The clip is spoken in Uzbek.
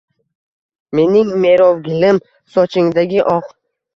Mening merovligim – sochingdagi oq.